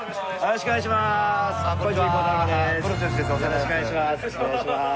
よろしくお願いします。